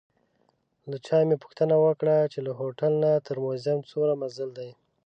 له چا مې پوښتنه وکړه چې له هوټل نه تر موزیم څومره مزل دی.